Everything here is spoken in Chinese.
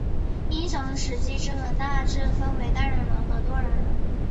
英雄时机之轮大致分为单人轮和多人轮。